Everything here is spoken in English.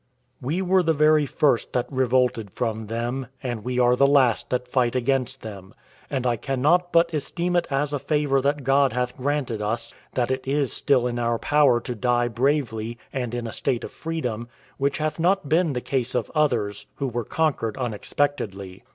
We were the very first that revolted from them, and we are the last that fight against them; and I cannot but esteem it as a favor that God hath granted us, that it is still in our power to die bravely, and in a state of freedom, which hath not been the case of others, who were conquered unexpectedly.